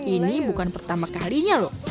ini bukan pertama kalinya loh